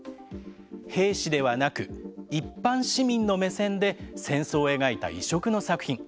兵士ではなく一般市民の目線で戦争を描いた異色の作品。